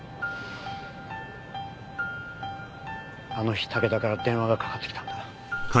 あの日武田から電話がかかってきたんだ。